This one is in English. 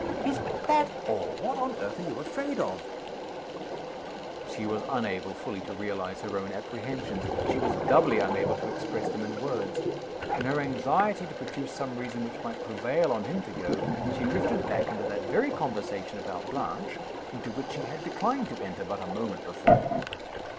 "Is that all? What on earth are you afraid of?" She was unable fully to realize her own apprehensions. She was doubly unable to express them in words. In her anxiety to produce some reason which might prevail on him to go, she drifted back into that very conversation about Blanche into which she had declined to enter but the moment before.